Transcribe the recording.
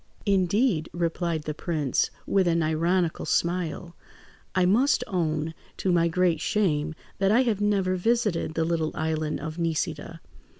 "Indeed!" replied the prince, with an ironical smile. "I must own, to my great shame, that I have never visited the little island of Nisida.